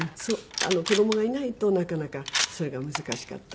子供がいないとなかなかそれが難しかった。